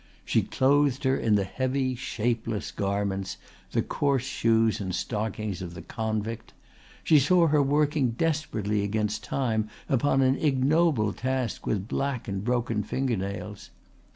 She clothed her in the heavy shapeless garments, the coarse shoes and stockings of the convict; she saw her working desperately against time upon an ignoble task with black and broken finger nails.